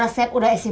dia udah biar diri